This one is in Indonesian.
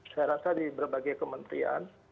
saya rasa di berbagai kementerian